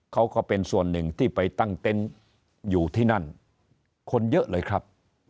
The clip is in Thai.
ก็เป็นส่วนหนึ่งที่ไปตั้งเต็นต์อยู่ที่นั่นคนเยอะเลยครับ